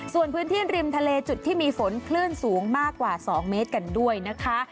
ส่วนพื้นที่ริมทะเลจุดที่มีฝนคลื่นสูงมากกว่า๒เมตรกันด้วยนะคะ